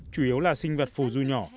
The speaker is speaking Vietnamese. chủ yếu là sinh vật phù du nhỏ